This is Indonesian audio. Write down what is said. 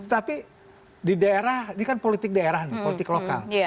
tapi di daerah ini kan politik daerah nih politik lokal